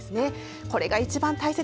これが一番大切。